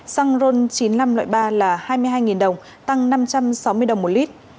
xăng ron chín mươi năm loại ba là hai mươi hai đồng tăng năm trăm sáu mươi đồng một lít